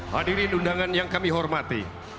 hadirin undangan yang kami hormati